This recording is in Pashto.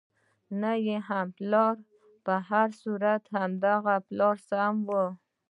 نه پلار هم نه، په هر صورت همدغه پلار سم وو.